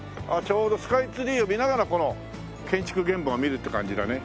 ちょうどスカイツリーを見ながらこの建築現場を見るって感じだね。